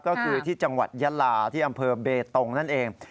ก็คือที่จังหวัดยาลาที่อำเภอเบตงนั่นเอง